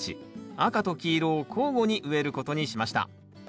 赤と黄色を交互に植えることにしました。